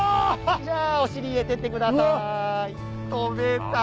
じゃあお尻入れてってください。飛べた！